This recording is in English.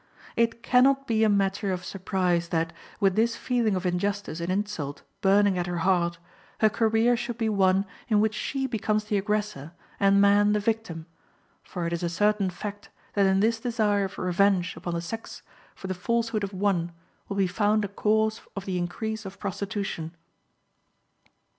It can not be a matter of surprise that, with this feeling of injustice and insult burning at her heart, her career should be one in which she becomes the aggressor, and man the victim; for it is a certain fact that in this desire of revenge upon the sex for the falsehood of one will be found a cause of the increase of prostitution.